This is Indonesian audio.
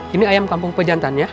ini ayam kampung pejantan ya